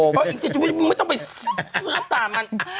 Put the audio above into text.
ไม่ต้องไปเสื้อปต่ามัน